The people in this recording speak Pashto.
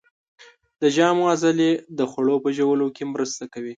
د ژامو عضلې د خوړو په ژوولو کې مرسته کوي.